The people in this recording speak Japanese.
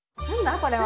これは。